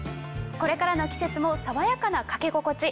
これからの季節も爽やかな掛け心地。